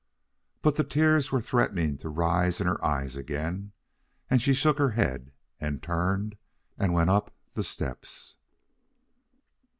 But the tears were threatening to rise in her eyes again, as she shook her head and turned and went up the steps.